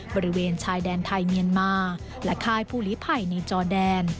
บริเวณชายแดนไทยเมียนมาและค่ายภูลิภัยในจอแดน